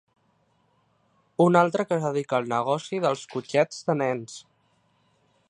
Un altre que es dedica al negoci dels cotxets de nens.